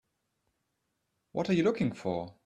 What are you looking for?